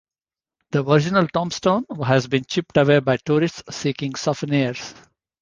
The original tombstone has been chipped away by tourists seeking souvenirs.